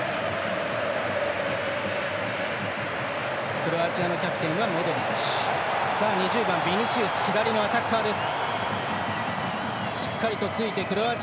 クロアチアのキャプテンはモドリッチ。